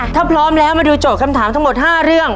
ถ้าพร้อมแล้วมาดูโจทย์คำถามทั้งหมด๕เรื่อง